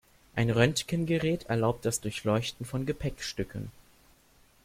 Ein Röntgengerät erlaubt das Durchleuchten von Gepäckstücken.